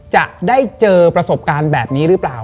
จะได้เจอประสบการณ์แบบนี้หรือเปล่า